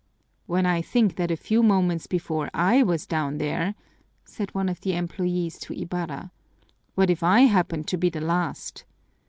"When I think that a few moments before I was down there!" said one of the employees to Ibarra. "What if I had happened to be the last!"